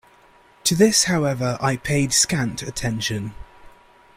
To this, however, I paid scant attention.